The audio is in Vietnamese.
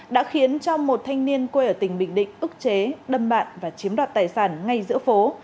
đã khiến cho một thanh niên quê ở tỉnh bình định ức chế đâm bạn và chiếm đoạt tài sản ngay giữa phố